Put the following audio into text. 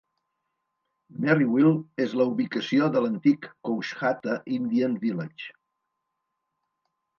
Merryville és la ubicació de l'antic Coushatta Indian village.